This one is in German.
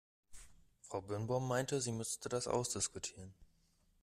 Frau Birnbaum meinte, sie müsste das ausdiskutieren.